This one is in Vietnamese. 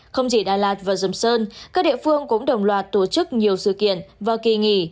không chỉ đà lạt và sầm sơn các địa phương cũng đồng loạt tổ chức nhiều sự kiện và kỳ nghỉ